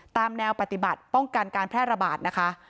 ตามแนวปฏิบัติป้องกันการแพร่ระบาดนะคะ